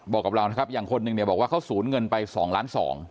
บอกกับเรานะครับอย่างคนหนึ่งเนี่ยบอกว่าเขาสูญเงินไป๒ล้าน๒